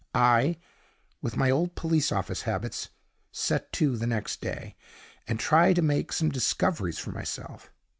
I, with my old police office habits, set to the next day, and try to make some discoveries for myself.